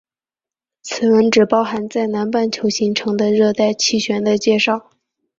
此文内容只包含在南半球形成的热带气旋的介绍。